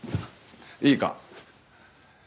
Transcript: いいか？